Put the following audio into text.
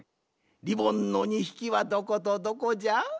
リボンの２ひきはどことどこじゃ？